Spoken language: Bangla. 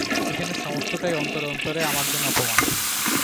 এখানে সমস্তটাই অন্তরে অন্তরে আমার যেন অপমান।